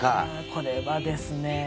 これはですね